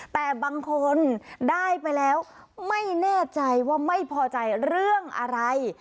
แต่บางคนได้ไปแล้วไม่แน่ใจว่าไม่พอใจเรื่องอะไร